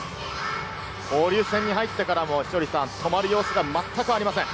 交流戦に入ってからも、止まる様子が全くありません。